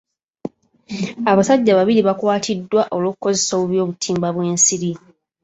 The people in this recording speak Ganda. Abasajja babiri bakwatiddwa olw'okukozesa obubi obutimba bw'ensiri.